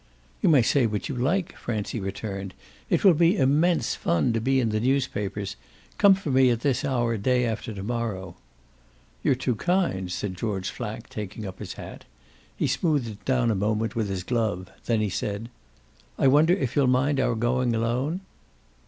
"You may say what you like," Francie returned. "It will be immense fun to be in the newspapers. Come for me at this hour day after to morrow." "You're too kind," said George Flack, taking up his hat. He smoothed it down a moment with his glove; then he said: "I wonder if you'll mind our going alone?"